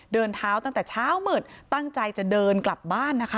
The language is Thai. เดินเท้าตั้งแต่เช้ามืดตั้งใจจะเดินกลับบ้านนะคะ